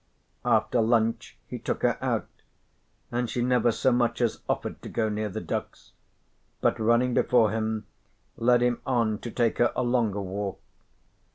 After lunch he took her out, and she never so much as offered to go near the ducks, but running before him led him on to take her a longer walk.